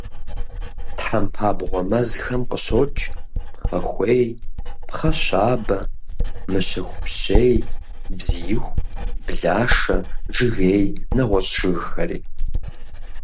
Тхьэмпабгъуэ мэзхэм къыщокӀ пхъэхуей, пхъэщабэ, мыщэхупщей, бзииху, блашэ, жыгей, нэгъуэщӀ жыгхэри.